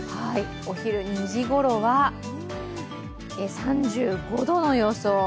お昼、２時ごろは３５度の予想。